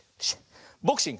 ボクシング